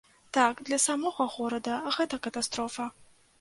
Так, для самога горада гэта катастрофа.